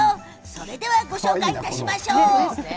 それではご紹介いたしましょう。